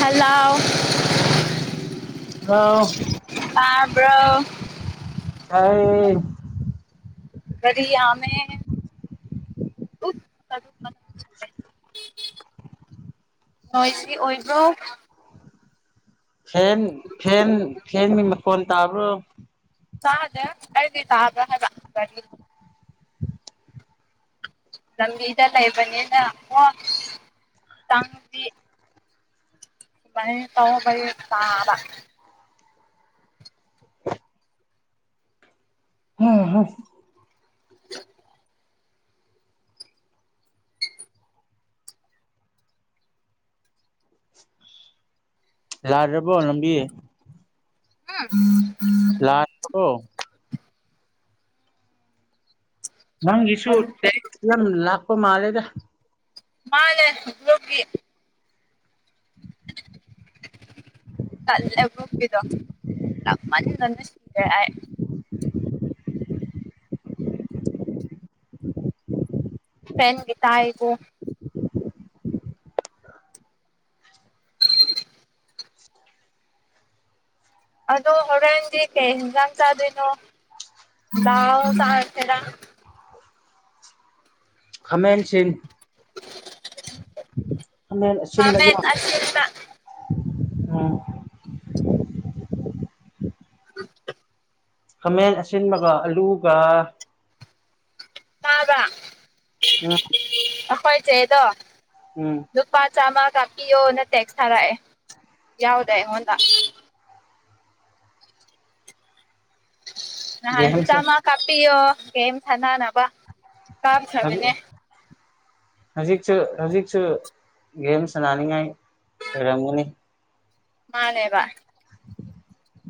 Hello hello ꯇꯥꯕ꯭ꯔꯣ ꯇꯥꯌꯦ꯫ ꯀꯔꯤ ꯌꯝꯃꯦ [inaudible] ꯅꯣꯏꯁꯤ ꯑꯣꯏꯕ꯭ꯔꯣ꯫ ꯐꯦꯟ ꯐꯦꯟ ꯐꯦꯟ ꯒꯤ ꯃꯈꯣꯟ ꯇꯥꯕ꯭ꯔꯣ꯫ ꯁꯥꯗ ꯑꯦꯗꯤꯗꯕꯔꯤ꯫ ꯂꯝꯕꯤꯗ ꯂꯩꯕꯅꯤꯅ ꯍ__ [unintelligible] ꯇꯥꯕ꯫ ꯍꯣ ꯍꯣ ꯫ [unintelligible] ꯂꯥ꯭ꯔꯕꯣ ꯂꯝꯕꯤ꯫ ꯎ ꯎꯝ ꯂꯛꯄꯔꯣ꯫ ꯃꯥꯒꯤꯁꯨ ꯑꯗꯨ ꯇꯦꯛꯁ ꯌꯥꯝꯝ ꯂꯥꯛꯄ ꯃꯥꯂꯦꯗ꯫ ꯃꯥꯂꯦ ꯍꯨꯒꯤ꯫ ꯀꯜꯦꯕꯨꯄꯗꯣꯃꯅꯤ ꯅꯅꯁꯗꯦ꯫ ꯐꯦꯟ ꯒꯤ ꯇꯥꯏꯕꯣ꯫ [unintelligible] ꯑꯗꯣ ꯍꯣꯔꯦꯟꯗꯤ ꯀꯩ ꯌꯦꯟꯁꯥꯡ ꯆꯥꯗꯣꯏꯅꯣ ꯂꯗꯥꯥꯎ ꯆꯥꯔꯁꯤꯦꯔꯥ꯫ ꯈꯃꯦꯟꯁꯤꯡꯟ ꯈꯥꯃꯦꯟ ꯑꯁꯤꯟꯕꯒ ꯈꯥꯃꯦꯟ ꯑꯁꯤꯟꯕ꯫ ꯎꯝ꯫ [unintelligible] ꯈꯥꯃꯦꯟ ꯑꯁꯤꯟꯕꯒ ꯑꯂꯨꯒ꯫ ꯇꯥꯕ꯫ ꯑ꯫ ꯑꯩꯈꯣꯏ ꯆꯦꯗꯣ꯫ ꯎꯝ꯫ ꯂꯨꯄꯥ ꯆꯥꯝꯃ ꯀꯥꯞꯄꯤꯌꯣꯅ ꯇꯦꯛꯁ ꯊꯥꯔꯛꯑꯦ ꯌꯥꯎꯗ ꯑꯩꯉꯣꯟꯗ꯫ ꯉꯍꯟꯁꯨ ꯒꯦꯝꯁꯨ ꯆꯝꯃꯥ ꯀꯞꯄꯤꯌꯣ ꯒꯦꯝ ꯁꯥꯅꯅꯕꯥ꯫ ꯍꯥꯏ꯫ ꯍꯧꯖꯤꯛꯁꯨ ꯍꯧꯖꯤꯛꯁꯨ ꯒꯦꯝ ꯁꯥꯟꯅꯅꯤꯡꯉꯥꯏ__ ꯔꯝꯃꯅꯤ꯫ ꯃꯥꯅꯦꯕ꯫ [unintelligible]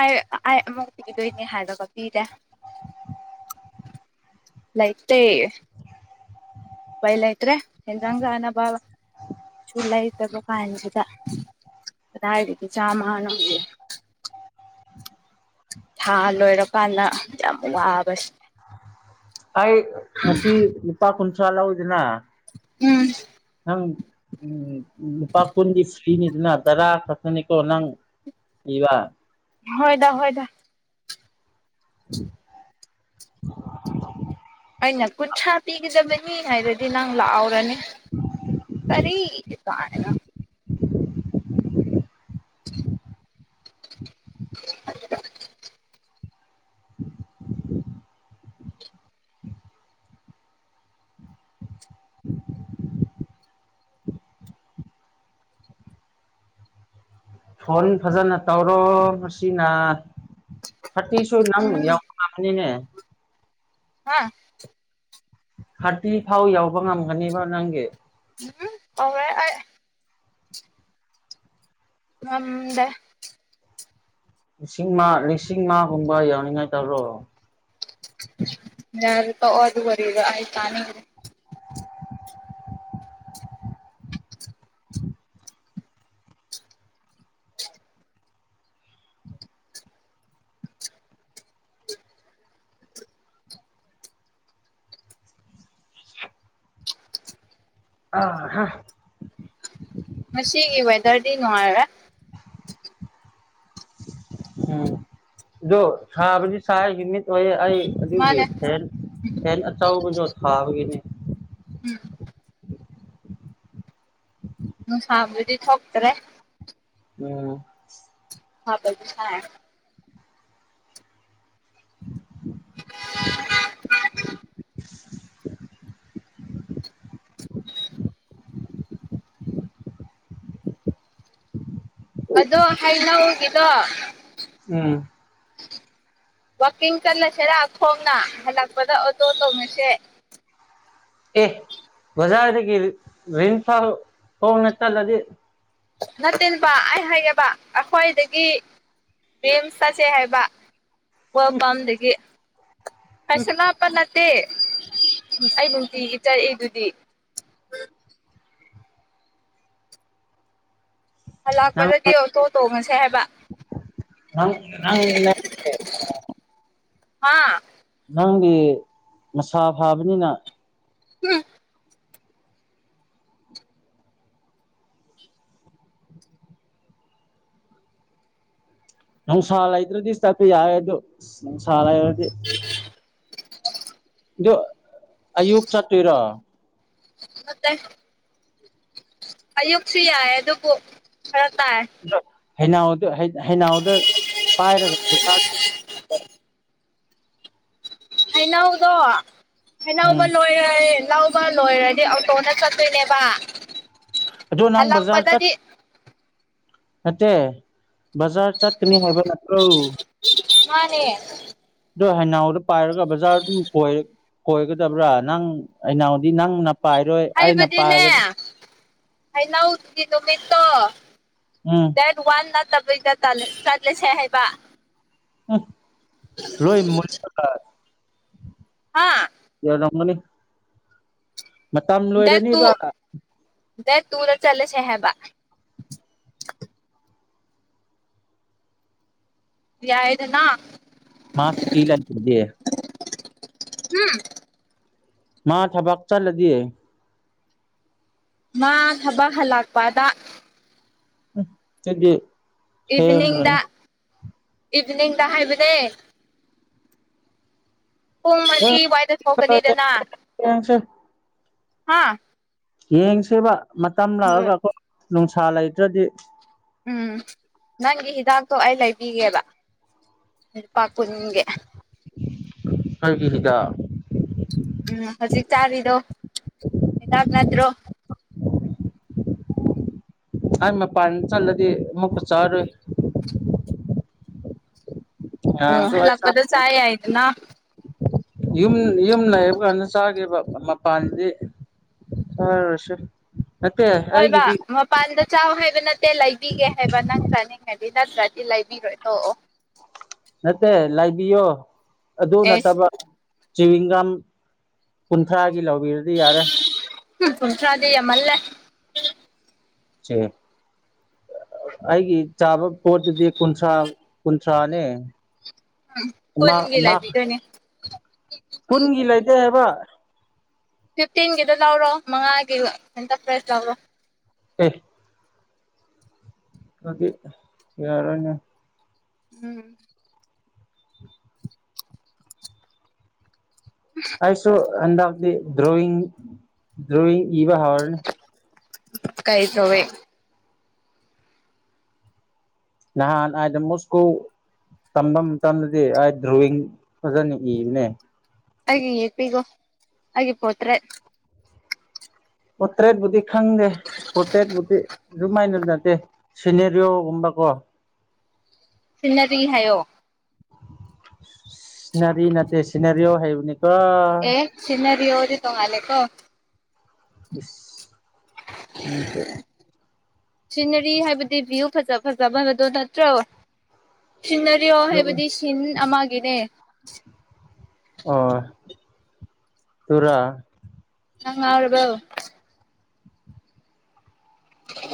ꯑꯩ ꯑꯩ ꯑꯃꯨ ꯄꯤꯗꯣꯏꯅꯦ ꯍꯥꯏꯔꯒ ꯄꯤꯔꯦ꯫ ꯂꯥꯏꯇꯦ ꯎꯄꯥꯏ ꯂꯩꯇ꯭ꯔꯦ꯫ ꯍꯖꯒꯅꯕꯕ꯫ [unintelligible] ꯂꯩꯇꯕ ꯀꯥꯟꯁꯤꯗ ꯀꯗꯥꯏꯗꯩꯩ ꯆꯥꯝꯃ ꯅꯣ꯫ ꯊꯥ ꯂꯣꯏꯔꯀꯥꯟꯗ ꯌꯥꯝ ꯋꯥꯕꯁꯦ ꯑꯩ ꯉꯁꯤ ꯂꯨꯄꯥ ꯀꯨꯟꯊ꯭ꯔꯥ ꯂꯧꯤꯗꯅ ꯎꯝ ꯍꯪ ꯎ ꯄ ꯄꯨꯣꯟꯗꯤꯁ ꯁꯤꯅꯤꯗꯅ ꯇꯔꯥ ꯈꯠꯊꯅꯤꯀꯣ ꯅꯪ ꯏꯕ ꯍꯣꯏꯗ ꯍꯣꯏꯗ ꯎꯝ ꯑꯩꯅ ꯀꯨꯟꯊ꯭ꯔꯥ ꯄꯤꯒꯗꯕꯅꯤ ꯍꯥꯏꯗꯗꯤ ꯅꯪ ꯂꯥꯛꯍꯧꯔꯅꯤ ꯀꯔꯤ ꯀ ꯐꯣꯟ ꯐꯖꯅ ꯇꯧꯔꯣ ꯃꯁꯤꯅ ꯊꯥꯔꯇꯤꯁꯨ ꯅꯪ ꯎꯝ ꯌꯥꯎꯕ ꯂꯥꯛꯕꯅꯤꯅꯦ ꯍꯥ ꯊꯥꯔꯇꯤ ꯐꯥꯎ ꯌꯎꯕ ꯉꯝꯒꯅꯦꯕ ꯅꯪꯒꯤ ꯎꯝ ꯑ ꯃꯝꯗ ꯂꯤꯁꯤꯡ ꯂꯤꯁꯤꯡ ꯃꯥꯒꯨꯝꯕ ꯌꯥꯎꯅꯤꯡꯉꯥꯏ ꯇꯥ꯭ꯔꯣ ꯌꯥꯔꯄꯥ ꯑꯣ ꯑꯗꯨ ꯑꯣꯏꯔꯤꯗ ꯑ ꯇꯅꯤ [unintelligible] ꯑ ꯍꯥ ꯉꯁꯤꯒꯤ ꯗꯔꯗꯤ ꯅꯨꯡꯉꯥꯏꯔꯦ ꯎꯝ ꯁꯥꯥꯕꯗꯤ ꯁ ꯍꯃꯤ ꯑꯣꯏ ꯑꯩ ꯑꯗꯨꯒꯤ ꯃꯥꯅꯦ ꯐꯦꯟ ꯐꯦꯟ ꯑꯆꯕꯁꯨꯣ ꯊꯥꯕꯒꯤꯅꯤ ꯎꯝ ꯅꯨꯡꯁꯥꯕꯨꯗꯤ ꯊꯣꯛꯇ꯭ꯔꯦ ꯎꯝ ꯍꯥ ꯁꯥ [inaudible] ꯑꯗꯣ ꯍꯩꯅ ꯍꯒꯗꯣ ꯎꯝ ꯋꯀꯤꯡ ꯆꯠꯂꯁꯤꯔꯥ ꯈꯣꯡꯅ ꯍꯜꯂꯛꯄꯗ ꯑꯣꯇꯣ ꯇꯧꯅꯁꯦ ꯑꯦ ꯕꯖꯥꯔꯗꯒꯤ ꯔꯤꯟꯐꯥꯜ ꯍꯣꯡ ꯅ ꯇꯜꯂꯗꯤ ꯅꯠꯇꯦꯅꯦꯕ ꯑꯩ ꯍꯥꯏꯒꯦꯕ ꯑꯩꯈꯣꯏꯗꯒꯤ ꯦꯝꯁ ꯆꯠꯁꯦ ꯍꯥꯏꯕ ꯋꯥꯜ ꯄꯝꯗꯒꯤ ꯐꯩꯁ ꯂꯞꯄ ꯅꯠꯇꯦ ꯑꯩ ꯅꯨꯡꯇꯤꯒꯤ ꯆꯠꯏꯗꯨꯗꯤ ꯅꯪ ꯂꯥꯛꯄꯗꯗꯤ ꯑꯣꯇꯣ ꯇꯣꯡꯉꯁꯦ ꯍꯥꯏꯕ ꯅꯪ ꯅꯪ ꯍꯥꯥ ꯅꯪꯗꯤ ꯃꯁꯥ ꯐꯥꯕꯅꯤꯅ ꯎꯝ ꯅꯨꯡꯁꯥ ꯂꯩꯇ꯭ꯔꯗꯤ ꯆꯠꯄ ꯌꯥꯔꯦ ꯑꯗꯨ ꯅꯨꯡꯁꯥ ꯂꯩꯔꯗꯤ [unintelligible] ꯑꯗꯨ ꯑꯌꯨꯛ ꯆꯠꯇꯣꯏꯔꯣ ꯑꯠꯇ ꯑꯌꯨꯛꯁꯨ ꯌꯥꯏ ꯑꯗꯨꯕꯨ ꯈꯔ ꯇꯥꯏ ꯑ ꯍꯎꯗ ꯍꯩꯅꯥꯎꯗ ꯄꯥꯏꯔꯒ [unintelligible] ꯍꯩꯅꯧꯗꯣ ꯎꯝ ꯍꯩꯅꯕ ꯂꯣꯏꯔꯦ ꯂꯧ ꯂꯨꯄꯥ ꯂꯣꯏꯔꯗꯤ ꯑꯣꯇꯣꯅ ꯆꯠꯇꯣꯏꯅꯦꯕ ꯑꯗꯨ ꯅꯪꯕꯖꯥꯔ ꯆ ꯍꯜꯂꯛꯄꯗꯗꯤ ꯍꯇ ꯖꯥꯔ ꯆꯠ ꯀꯅꯤ ꯍꯥꯏꯕ ꯅꯥꯛ꯭ꯔꯣ ꯃꯥꯅꯦ ꯑꯗꯣ ꯍꯅꯥꯎꯗꯣ ꯄꯥꯏꯔꯒ ꯕꯖꯥꯔ ꯑꯗꯨꯝ ꯀꯣꯏꯔꯦ ꯀꯣꯏꯒꯗꯕ꯭ꯔꯥ ꯅꯪ ꯑꯅꯥꯎꯗꯤ ꯅꯪꯅ ꯄꯥꯏꯔꯣꯏ ꯑꯩꯅ ꯄꯥꯏ ꯀꯩ ꯂꯎ ꯇꯗꯤꯗꯣ ꯃꯠꯇ ꯎꯝ ꯋꯥꯟ ꯅꯠꯇꯕꯩꯗ ꯆꯠꯂꯁꯦ ꯍꯥꯏꯕ ꯎꯝ ꯔꯣꯏꯝ ꯃ ꯍꯥ ꯊꯀꯪꯃꯅꯤ ꯗꯦꯠ ꯇꯨ ꯂꯣꯏꯔꯅꯤꯕ ꯗꯦꯠ ꯇꯨꯗ ꯆꯠꯂꯁꯦ ꯍꯥꯏꯕ ꯏꯗꯅꯥ ꯃꯥꯁꯨꯇꯤ ꯂꯅꯤꯗꯤꯦ ꯍꯥꯝ ꯃꯥ ꯊꯕꯛ ꯆꯠꯂꯗꯤꯌꯦ ꯃꯥ ꯊꯕꯛ ꯍꯜꯂꯛꯄꯗ ꯎ ꯆꯦ [unintelligible] ꯏꯚꯤꯅꯤꯡꯗ ꯏꯚꯤꯅꯤꯡꯗ ꯍꯥꯏꯕꯅꯦ ꯄꯨꯡ ꯄꯨꯡ ꯃꯔꯤ ꯋꯥꯏꯗ ꯊꯣꯛꯀꯅꯤꯗꯅ ꯌꯦꯡꯁꯦ ꯍꯥ ꯌꯦꯡꯁꯦꯕ ꯃꯇꯝ ꯍꯣꯏ ꯂꯥꯛꯑꯒ ꯑꯩꯈꯣꯏ ꯅꯨꯡꯁꯥ ꯂꯩꯇ꯭ꯔꯗꯤ ꯎꯝ ꯅꯪꯒꯤ ꯍꯤꯗꯥꯛꯇꯣ ꯑꯩ ꯂꯩꯕꯤꯒꯦꯕ ꯂꯨꯄꯥ ꯀꯨꯟꯒꯤ ꯀꯩꯒꯤ ꯍꯤꯗ ꯎꯝ ꯍꯧꯖꯤꯛ ꯆꯥꯔꯤꯗꯣ ꯍꯤꯗꯥꯛ ꯅꯠꯇ꯭ꯔꯣ ꯑꯩ ꯃꯄꯥꯟꯗ ꯆꯜꯂꯗꯤ ꯑꯃꯨꯛꯀ ꯆꯥꯔꯔꯣꯏ ꯎꯝ ꯉꯔꯥꯡꯁꯨ ꯑꯩ ꯆꯥ ꯍꯜꯂꯛꯄꯗ ꯆꯥꯏ ꯌꯥꯏꯗꯅ ꯌꯨꯝ ꯌꯨꯝ ꯂꯩꯕ ꯀꯥꯟꯗ ꯆꯥꯕ ꯃꯄꯥꯟꯗꯤ ꯍꯁꯦ [unintelligible] ꯍꯣꯏꯕ ꯃꯝ ꯃꯄꯥꯟꯗ ꯆꯥꯎ ꯍꯥꯏꯕ ꯅꯠꯇꯦ ꯂꯩꯕꯤꯒꯦ ꯍꯥꯏꯕ ꯅꯪ ꯆꯥꯅꯤꯡꯉꯗꯤ ꯅꯠꯇ꯭ꯔꯗꯤ ꯂꯩꯕꯤꯔꯣꯏ ꯇꯣꯛꯑꯣ ꯅꯠꯇꯦ ꯂꯥꯏꯕꯤꯌꯣ ꯑꯗꯨ ꯑꯦꯁ ꯅꯠꯇꯕ ꯆꯋꯤꯡꯒꯝ ꯀꯨꯟꯊ꯭ꯔꯥꯒꯤ ꯂꯧꯕꯤꯔꯗꯤ ꯌꯥꯔꯦ ꯎ ꯀꯨꯟꯊ꯭ꯔꯥꯗꯤ ꯌꯥꯝ ꯃꯜꯂꯦ ꯆ [unintelligible] ꯑꯩꯒꯤ ꯆꯥꯕ ꯄꯣꯠꯇꯨꯗꯤ ꯀꯨꯟꯊ꯭ꯔꯥ ꯀꯨꯟꯊ꯭ꯔꯥꯅꯦ ꯎꯝ ꯃꯥ ꯀꯟꯒꯤ ꯃꯥ ꯂꯩꯕꯤꯗꯣꯢꯅꯦ ꯀꯨꯟꯒꯤ ꯂꯩꯇꯦ ꯍꯥꯏꯕ ꯐꯤꯐꯇꯤꯟꯒꯤꯗ ꯂꯧꯔꯣ ꯃꯉꯥꯒꯤ ꯁꯦꯟꯇꯔ ꯄ꯭ꯔꯁ ꯂꯧꯔꯣ ꯑꯦ ꯑꯗꯨ ꯌꯥꯔꯣꯏ ꯑꯣꯏꯅ [unintelligible] ꯎꯝ ꯑꯁꯨ ꯑꯟꯗꯗꯤ ꯗ꯭ꯔꯣꯌꯤ ꯗ꯭ꯔꯣꯌꯤ ꯏꯕ ꯍꯧꯔꯅꯤ ꯀꯩ ꯇꯧꯋꯦ ꯅꯍꯥꯟꯗꯃꯣꯁꯀꯣ ꯇꯝꯕ ꯃꯇꯝꯗꯗꯤ ꯑꯩ ꯗ꯭ꯔꯣꯋꯤꯡ ꯐꯖꯅ ꯏꯕꯅꯦ ꯑꯩꯒꯤ ꯌꯦꯄꯤꯒꯣ ꯑꯩꯒꯤ ꯄꯣꯇ꯭ꯔꯦ ꯄꯣꯔꯇ꯭ꯔꯦꯠꯕꯨꯨꯗꯤ ꯈꯪꯗꯦ ꯄꯣꯔꯇ꯭ꯔꯦꯠꯄꯨꯗꯤ ꯑꯗꯨꯃꯥꯏꯅ ꯅꯠꯇꯦ ꯁꯤꯅꯦꯔꯣꯒꯨꯝꯕ ꯀꯣ ꯁꯤꯟꯅꯔꯤ ꯍꯥꯏꯌꯣ ꯁꯤꯅꯔꯤ ꯅꯠꯇꯦ ꯁꯤꯅꯔꯤ ꯑꯣ ꯍꯥꯏꯕꯅꯤ ꯀꯣ ꯑꯦ ꯁꯤꯟꯅꯔꯤꯑꯣꯗꯤ ꯇꯣꯡꯉꯂꯦꯀꯣ ꯏꯁ ꯎꯝꯁꯦ ꯁꯤꯅꯔꯤ ꯍꯥꯏꯕꯗꯤ ꯚ꯭ꯌꯨ ꯐꯖ ꯐꯖꯕ ꯍꯥꯏꯕꯗꯣ ꯅꯠꯇ꯭ꯔꯣ ꯁꯤꯟꯅꯔꯤꯑꯣ ꯍꯥꯏꯕꯗꯤ ꯁꯤꯟ ꯑꯃꯒꯤꯅꯦ ꯑꯣ ꯇꯨꯔꯥ ꯅꯪ ꯉꯧꯔꯕꯣ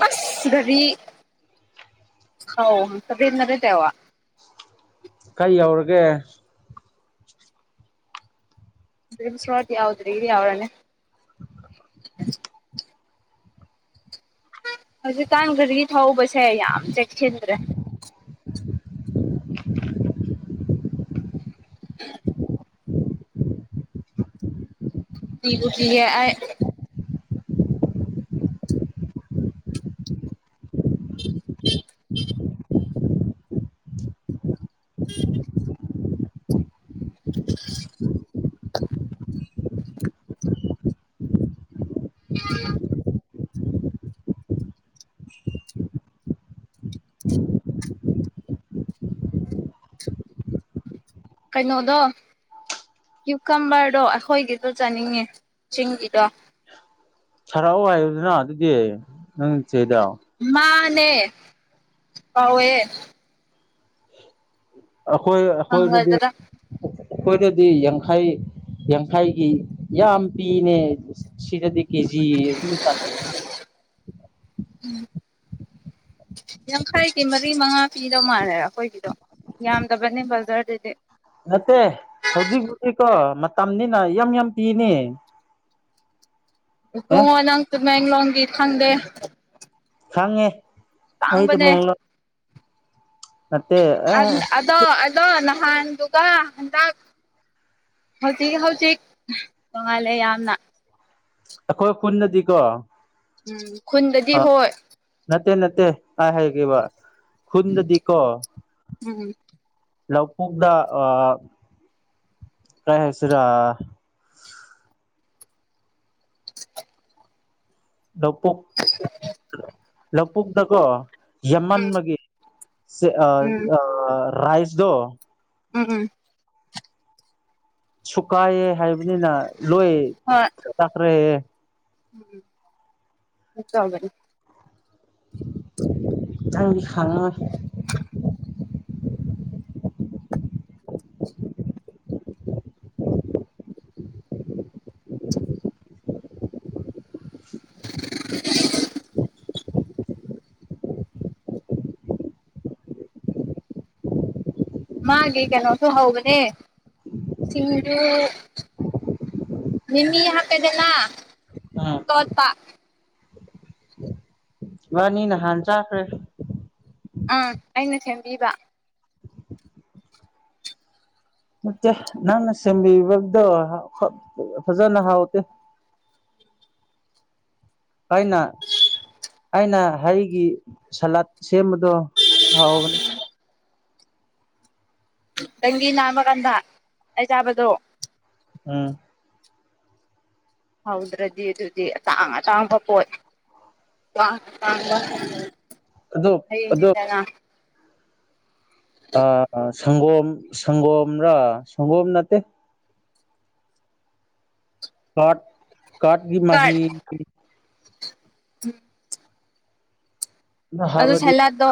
ꯑꯁ [unintelligible] ꯀꯔꯤ ꯌꯧꯔꯒꯦ [unintelligible] ꯌꯥꯎꯗ꯭ꯔꯤ ꯌꯥꯎ꯭ꯔꯅꯦ ꯍꯧꯖꯤꯛꯀꯥꯟ ꯒꯥꯔꯤ ꯊꯧꯕꯁꯦ ꯌꯥꯝ ꯆꯦꯛꯁꯤꯟꯗ꯭ꯔꯦ ꯎ ꯀꯤꯕꯨ ꯀꯥꯌꯦ ꯑꯦ [inaudible] [inaudible] [unintelligible] ꯀꯩꯅꯣꯗꯣ ꯌꯨꯀꯝꯕꯔꯗꯣ ꯑꯩꯈꯣꯏꯒꯤꯗ ꯆꯥꯅꯤꯡꯉꯦ ꯆꯤꯡꯒꯤꯗꯣ ꯁꯥꯔꯛꯑꯣ ꯍꯥꯏꯕꯗꯨꯅ ꯑꯗꯨꯗꯤ ꯅꯪ ꯆꯦꯗ ꯃꯥꯅꯦ ꯐꯎꯦ ꯑꯩꯈꯣꯏ ꯑꯩꯈꯣꯏꯗꯗꯤ ꯐꯪꯒꯗ꯭ꯔꯥ ꯑꯩꯈꯣꯏꯗꯗꯤ ꯌꯥꯡꯈꯩ ꯌꯥꯡꯈꯥꯏꯒꯤ ꯌꯥꯝ ꯄꯤꯅꯦ ꯁꯤꯗꯗꯤ ꯀꯦꯖꯤ ꯑꯗꯨꯝ ꯎꯝ ꯌꯥꯡꯈꯥꯏꯒꯤ ꯃꯔꯤ ꯃꯉꯥ ꯄꯤꯗꯧ ꯃꯥꯜꯂꯦ ꯑꯩꯈꯣꯏꯒꯤꯗꯣ ꯌꯥꯝꯗꯕꯅꯤꯅꯦ ꯕꯖꯔꯗꯦ ꯅꯠꯇꯦ ꯍꯧꯖꯤꯛ ꯍꯧꯗꯤꯀꯣ ꯃꯇꯝꯅꯤꯅ ꯌꯥꯝ ꯌꯥꯝ ꯄꯤꯅꯤ ꯑꯦ ꯇꯨꯡꯉꯣ ꯅꯪꯛꯇ ꯃꯡꯂꯣꯡꯒꯤ ꯈꯪꯗꯦ ꯈꯪꯉꯦ ꯑꯩꯗ ꯇꯥꯡꯕꯅꯦ ꯃꯦꯡꯡꯂ ꯃꯦ ꯑꯗꯣ ꯑꯗꯣ ꯅꯍꯥꯟꯗꯨꯒ ꯍꯟꯗꯛ ꯍꯧꯖꯤꯛ ꯍꯧꯖꯤꯛ ꯇꯣꯡꯉꯥꯜꯂꯦ ꯌꯥꯝꯅ ꯑꯩꯈꯣꯏ ꯈꯨꯗꯗꯤꯀꯣ ꯎꯝ ꯈꯨꯟꯗꯗꯤ ꯍꯣꯏ ꯅꯠꯇꯦ ꯅꯠꯇꯦ ꯑꯩ ꯍꯥꯏꯦꯈꯤꯕ ꯈꯨꯟꯗꯗꯤꯀꯣ ꯎꯝ ꯂꯄꯣꯛꯗ ꯑ ꯀꯩ ꯍꯥꯏꯁꯤꯔꯥ ꯂꯄꯨꯛ ꯂꯄꯨꯛꯗꯀꯣ ꯌꯃꯟ ꯃꯒꯤ ꯎꯝ ꯔꯥꯏꯁꯗꯣ ꯎꯝ ꯎꯝ ꯁꯨꯀꯥꯏꯌꯦ ꯍꯥꯏꯕꯅꯤꯅ ꯂꯣꯏ ꯇꯥꯛꯈ꯭ꯔꯛꯦ ꯎꯝ ꯆꯒꯅꯤ ꯑꯪꯒꯤ ꯈꯉꯣ ꯃꯥꯒꯤ ꯀꯩꯅꯣꯁꯨ ꯍꯧꯕꯅꯦ ꯁꯤꯡꯖꯨ ꯃꯤꯃꯤ ꯍꯥꯄꯗꯦꯅ ꯎꯝ ꯇꯣꯠꯄ ꯋꯥꯅꯤ ꯅꯍꯥꯟ ꯆꯥꯈ꯭ꯔꯦ ꯑꯥ ꯑꯩꯅ ꯁꯦꯝꯕꯤꯕ ꯅꯠꯇꯦ ꯅꯪꯅ ꯁꯦꯝꯕꯤꯕꯗꯣ ꯐꯖꯅ ꯍꯥꯎꯇꯦ ꯑꯩꯅ ꯑꯩꯅ ꯍꯩꯒꯤ ꯁꯥꯂꯥꯠ ꯁꯦꯝꯕꯗꯣ ꯍꯥꯎꯕꯅꯦ ꯗꯦꯡꯒꯤ ꯅꯥꯟꯕ ꯀꯥꯟꯗ ꯑꯩ ꯆꯥꯕꯗꯣ ꯎꯝ ꯍꯧꯗ꯭ꯔꯗꯤ ꯑꯗꯨꯗꯤ ꯑꯇꯥꯡ ꯑꯇꯥꯡꯕ ꯄꯣꯠ ꯑꯗꯨ ꯑꯗꯨ [unintelligible] ꯑ ꯁꯪꯒꯣꯝ ꯁꯪꯒꯣꯝꯔ ꯁꯪꯒꯣꯝ ꯅꯠꯇꯦ ꯀꯥꯔꯠ ꯀꯥꯔꯠꯀꯤ ꯀꯔꯠ ꯃꯍꯤ [inaudible] ꯑꯗꯨ ꯍꯥꯏꯕꯗꯤ ꯁꯩꯂꯥꯠꯗꯣ